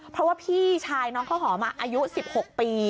เพราะว่าพี่ชายน้องข้าวหอมอายุ๑๖ปี